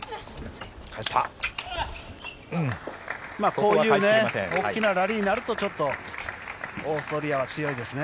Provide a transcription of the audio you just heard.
こういう大きなラリーになるとちょっとオーストリアは強いですね。